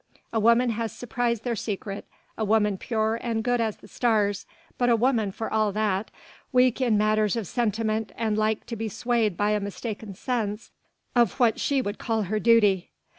A woman has surprised their secret, a woman pure and good as the stars but a woman for all that, weak in matters of sentiment and like to be swayed by a mistaken sense of what she would call her duty.